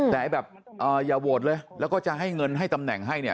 แต่แบบอย่าโหวตเลยแล้วก็จะให้เงินให้ตำแหน่งให้เนี่ย